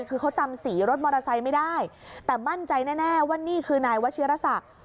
คือเขาจำสีรถมอเตอร์ไซค์ไม่ได้แต่มั่นใจแน่ว่านี่คือนายวัชิรษัก